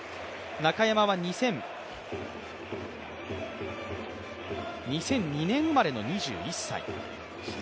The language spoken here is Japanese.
中山は２００２年生まれの２１歳。